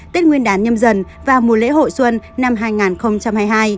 tết nguyên đán nhâm dần và mùa lễ hội xuân năm hai nghìn hai mươi hai